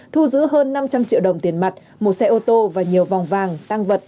thu giữ hơn năm trăm linh triệu đồng tiền mặt một xe ô tô và nhiều vòng vàng tăng vật